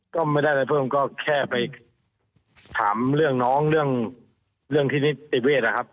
ก็ไม่ได้อะไรเพิ่มก็แค่ไปถามเรื่องน้องเรื่องที่นิติเวศนะครับ